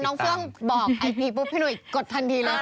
ตอนน้องเฟื้องบอกไอพีปุ๊บพี่หนุ่ยกดทันทีแล้ว